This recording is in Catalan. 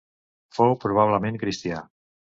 Fou probablement cristià.